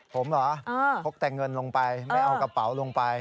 ผมเหรอพกแต่เงินลงไปไม่เอากระเป๋าลงไป